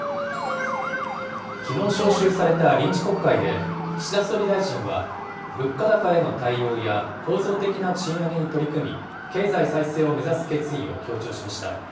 きのう召集された臨時国会で、岸田総理大臣は、物価高への対応や構造的な賃上げに取り組み、経済再生を目指す決意を強調しました。